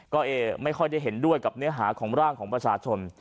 ก็ไม่ค่อยได้เห็นด้วยกับเนื้อหาของร่างของประชาชน